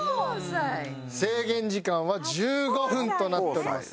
制限時間は１５分となっております。